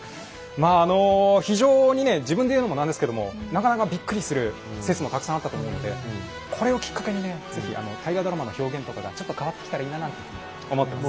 まああの非常にね自分で言うのもなんですけどもなかなかびっくりする説もたくさんあったと思うのでこれをきっかけにね是非大河ドラマの表現とかがちょっと変わってきたらいいななんて思ってます。